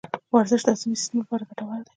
ورزش د هاضمي سیستم لپاره ګټور دی.